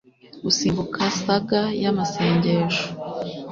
gusimbuka saga y'amasengesho